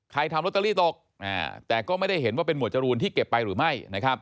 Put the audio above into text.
ทำลอตเตอรี่ตกแต่ก็ไม่ได้เห็นว่าเป็นหมวดจรูนที่เก็บไปหรือไม่